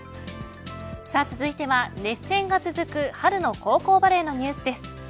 続いては熱戦が続く春の高校バレーのニュースです。